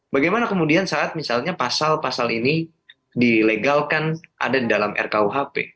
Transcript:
bagaimana kemudian saat misalnya pasal pasal ini dilegalkan ada di dalam rkuhp